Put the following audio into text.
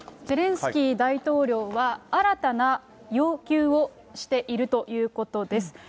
ゼレンスキー大統領は新たな要求をしているということです。